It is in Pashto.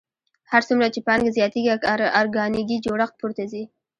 هر څومره چې پانګه زیاتېږي ارګانیکي جوړښت پورته ځي